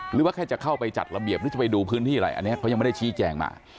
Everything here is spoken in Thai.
หรือว่าแค่จะเข้าไปจัดระเบียบหรือจะไปดูพื้นที่อะไรอันนี้เขายังไม่ได้ชี้แจงมา